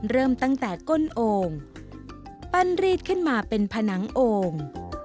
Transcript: เริ่มตั้งแต่ก้นโอ่งปั้นรีดขึ้นมาเป็นผนังโอ่ง